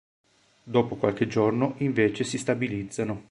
Dopo qualche giorno invece si stabilizzano.